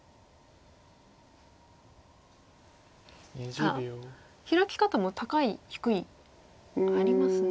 さあヒラキ方も高い低いありますね。